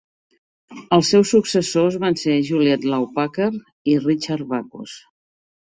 Els seus successors van ser Juliet Law Packer i Richard Backus.